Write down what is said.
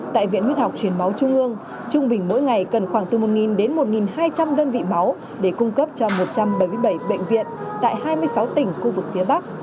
tại viện huyết học truyền máu trung ương trung bình mỗi ngày cần khoảng từ một đến một hai trăm linh đơn vị máu để cung cấp cho một trăm bảy mươi bảy bệnh viện tại hai mươi sáu tỉnh khu vực phía bắc